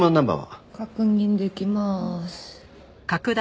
確認できまーす。